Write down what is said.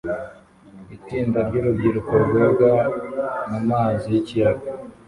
Itsinda ryurubyiruko rwoga mumazi yikiyaga